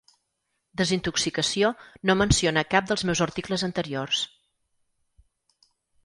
Desintoxicació no menciona cap dels meus articles anteriors.